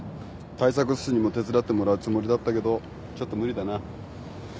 対策室にも手伝ってもらうつもりだったけどちょっと無理だな。